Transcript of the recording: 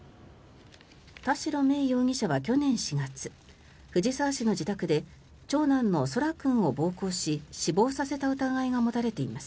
田代芽衣容疑者は去年４月藤沢市の自宅で長男の空来君を暴行し死亡させた疑いが持たれています。